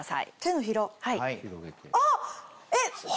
あっ！